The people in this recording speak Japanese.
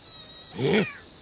えっ？